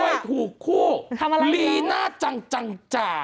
เคยถูกคู่ลีน่าจังจังจ่า